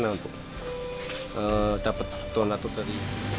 bagaimana menurut anda apa yang anda lakukan untuk mendapatkan alat rumah tangga